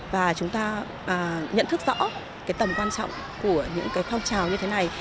và chúng ta nhận thức rõ tầm quan trọng của những phong trào như thế này